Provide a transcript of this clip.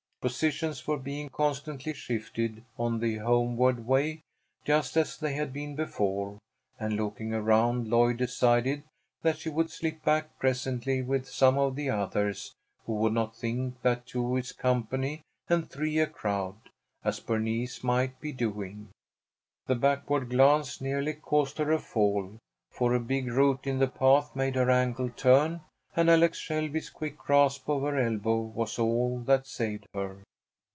Positions were being constantly shifted on the homeward way, just as they had been before, and, looking around, Lloyd decided that she would slip back presently with some of the others, who would not think that two is company and three a crowd, as Bernice might be doing. The backward glance nearly caused her a fall, for a big root in the path made her ankle turn, and Alex Shelby's quick grasp of her elbow was all that saved her.